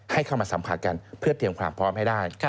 ให้เข้ามาสัมผัสกันเพื่อเตรียมความพร้อมให้ได้